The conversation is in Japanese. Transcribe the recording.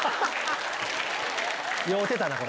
酔うてたな。